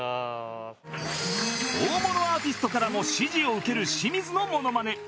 大物アーティストからも支持を受ける清水のモノマネ